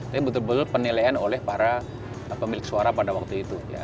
tapi betul betul penilaian oleh para pemilik suara pada waktu itu